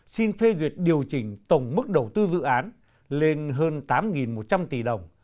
xin phê duyệt điều chỉnh tổng mức đầu tư dự án lên hơn tám một trăm linh tỷ đồng